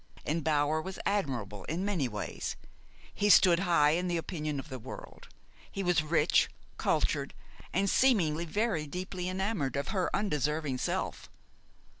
And Bower was admirable in many ways. He stood high in the opinion of the world. He was rich, cultured, and seemingly very deeply enamored of her undeserving self.